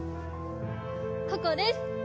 ここです。